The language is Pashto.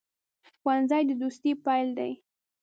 ښوونځی د دوستۍ پیل دی